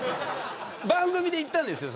番組でいったんですよ